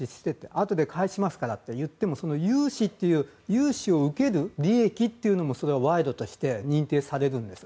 あとで返しますからといっても融資を受ける利益というのも賄賂として認定されるんです。